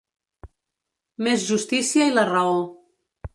Més justícia i la raó.